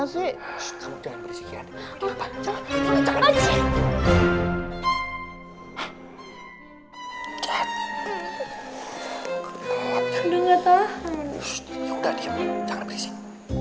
udah diam jangan berisik